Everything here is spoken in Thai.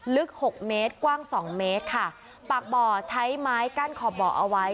หกเมตรกว้างสองเมตรค่ะปากบ่อใช้ไม้กั้นขอบบ่อเอาไว้